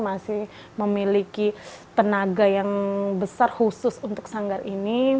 masih memiliki tenaga yang besar khusus untuk sanggar ini